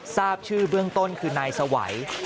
ทราบชื่อเบื้องต้นคือนายสวัย